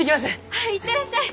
はい行ってらっしゃい！